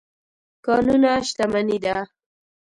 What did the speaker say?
کانونه شتمني ده.